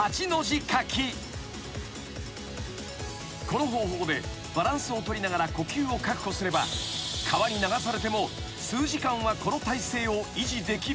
［この方法でバランスを取りながら呼吸を確保すれば川に流されても数時間はこの体勢を維持できるという］